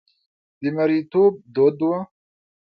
د مریتوب دود و.